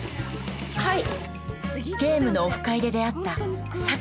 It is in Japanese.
はい。